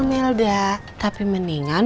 melda tapi mendingan